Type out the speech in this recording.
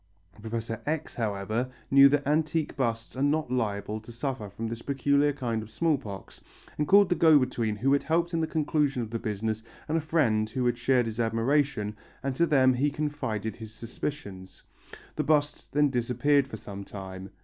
Professor X., however, knew that antique busts are not liable to suffer from this peculiar kind of small pox and called the go between who had helped in the conclusion of the business and a friend who had shared his admiration and to them he confided his suspicions. The bust then disappeared for some time.